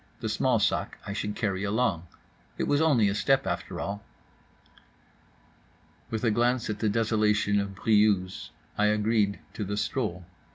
The small sac I should carry along—it was only a step, after all. With a glance at the desolation of Briouse I agreed to the stroll.